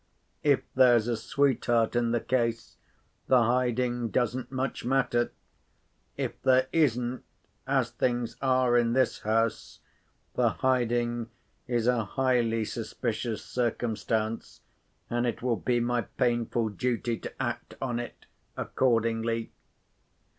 If there's a sweetheart in the case, the hiding doesn't much matter. If there isn't—as things are in this house—the hiding is a highly suspicious circumstance, and it will be my painful duty to act on it accordingly."